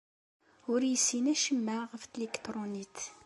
Ur yessin acemma ɣef tliktṛunit.